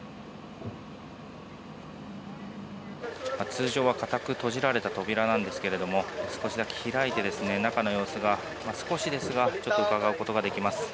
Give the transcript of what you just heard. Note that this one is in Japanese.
通常は固く閉じられた扉なんですけれども少しだけ開いて、中の様子が少しですが、ちょっとうかがうことができます。